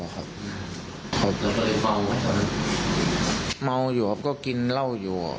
คุณต้องการรู้สิทธิ์ของเขา